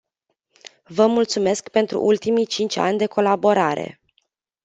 Vă mulțumesc pentru ultimii cinci ani de colaborare.